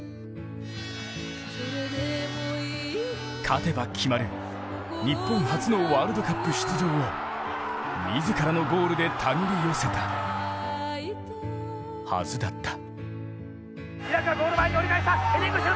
勝てば決まる日本初のワールドカップ出場を自らのゴールでたぐり寄せたはずだった。